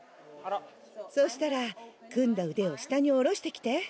そしたら組んだ腕を下に下ろしてきていい？